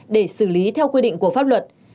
để xử lý theo quy định của pháp luật